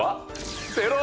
ゼロ！